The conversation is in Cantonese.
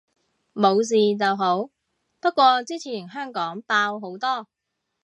冇事就好，不過之前香港爆好多